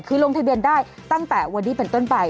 คือลงทะเบียนได้ตั้งแต่วันนี้เป็นต้นไป